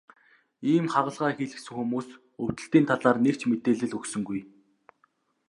Ийм хагалгаа хийлгэсэн хүмүүс өвдөлтийн талаар нэг ч мэдээлэл өгсөнгүй.